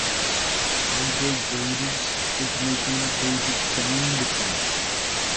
Halliday voters ultimately voted down the plan.